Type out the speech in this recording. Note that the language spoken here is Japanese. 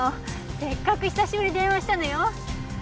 せっかく久しぶりに電話したのよ。